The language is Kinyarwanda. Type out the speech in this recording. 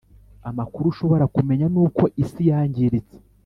Amakuru ushobora kumenya nuko isi yangiritse